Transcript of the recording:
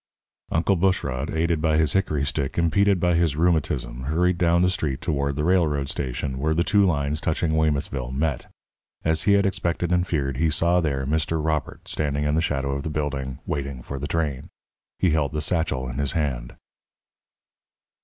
Uncle Bushrod, aided by his hickory stick, impeded by his rheumatism, hurried down the street toward the railroad station, where the two lines touching Weymouthville met. As he had expected and feared, he saw there Mr. Robert, standing in the shadow of the building, waiting for the train. He held the satchel in his hand.